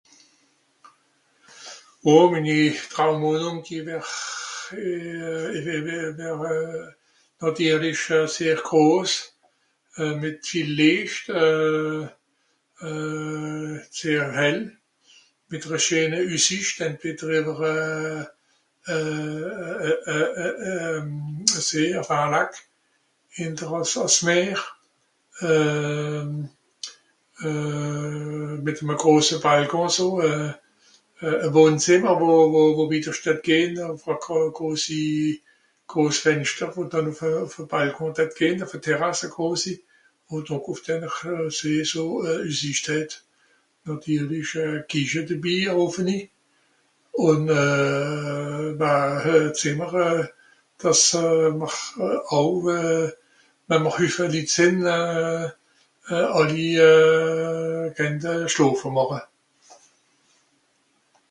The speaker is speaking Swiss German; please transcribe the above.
Oh minni Taumwohnùng die wär euh... nàtirlisch euh... sehr gros, euh... mìt viel Liecht euh... sehr hell, mìt're scheene Üssìcht (...) euh... See, enfin un lac, ehnder àss... àss Meer euh... mìt'me grose Balcon so euh... e Wohnzìmmer wo... wo... wo... (...), e grosi, gros Fenschter wo dann ùff e... ùff e Balcon dätt gehn, enfin Terasse grosi, wo dànn ùff denne See so Üsssìcht hätt, nàtirlisch e Kiche debi, e offeni. Ùn euh... bah... Zìmmer euh... dàss màch euh... au... wenn mr hüffe Litt sìnn euh... àlli euh... kennte schlofe màche.